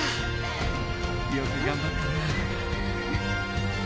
よく頑張ったな。